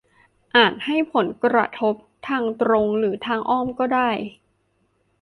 อาจให้ผลกระทบทางตรงหรือทางอ้อมก็ได้